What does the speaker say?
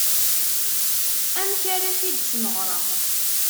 Amek ara k-id-smeɣreɣ.